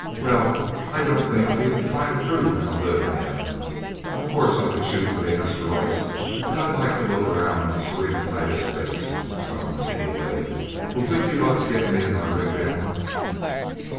Well I don't think I'll even try to prove how good I am. Of course I could shoot for the asteroids. But I'd like to look around Serenitatis Base some, anyway. Will fifty bucks get me and my rig down?"